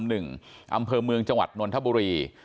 พี่บูรสงคราม๑อำเภอเมืองจังหวัดนนทบุรี